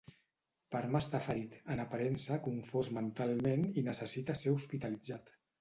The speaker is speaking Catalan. Parma està ferit, en aparença confós mentalment i necessita ser hospitalitzat.